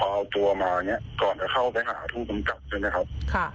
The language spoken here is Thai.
พอเอาตัวมาก่อนเข้าไปหาผู้กำกับ